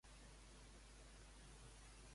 Què és el Crim per resoldre?